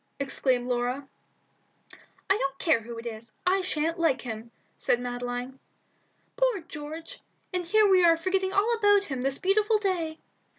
exclaimed Laura. "I don't care who it is. I sha'n't like him," said Madeline. "Poor George! and here we are forgetting all about him this beautiful day!"